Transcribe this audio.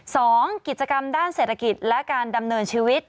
สองกิจกรรมด้านเศรษฐกิจและการดำเนินชีวิต